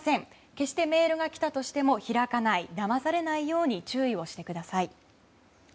決してメールが来たとしても開かないだまされないように注意をしてください。